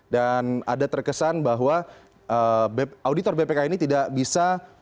dan ada terkesan bahwa auditor bpk ini tidak bisa mengawasi